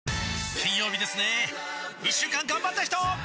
金曜日ですね一週間がんばった人！